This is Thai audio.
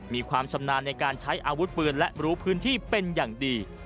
มีความชำนาญในการใช้อาวุธปืนและรู้พื้นที่เป็นอย่างดี